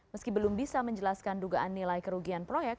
meski belum bisa menjelaskan dugaan nilai kerugian proyek